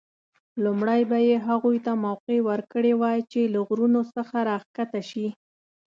لومړی به یې هغوی ته موقع ورکړې وای چې له غرونو څخه راښکته شي.